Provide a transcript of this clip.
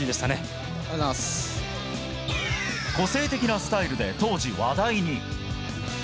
個性的なスタイルで当時、話題に。